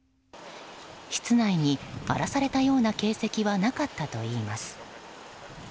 室内に、荒らされたような形跡はなかったといいます。